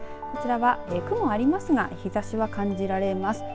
こちらは雲はありますが日ざしは感じられます。